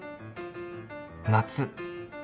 夏。